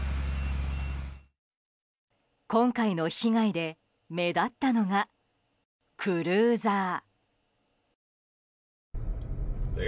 今回の被害で目立ったのがクルーザー。